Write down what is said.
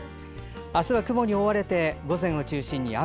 明日は雲に覆われて午前中を中心に雨。